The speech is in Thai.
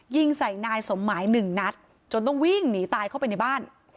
ยิงใส่นายสมหมายหนึ่งนัดจนต้องวิ่งหนีตายเข้าไปในบ้าน